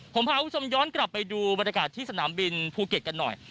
ผมพาคุณผู้ชมย้อนกลับไปดูบรรยากาศที่สนามบินภูเก็ตกันหน่อย